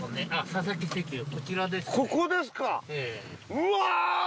うわ！